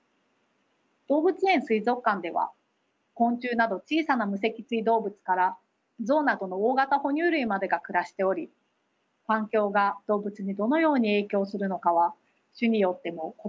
動物園水族館では昆虫など小さな無脊椎動物からゾウなどの大型ほ乳類までが暮らしており環境が動物にどのように影響するのかは種によっても個体によっても異なります。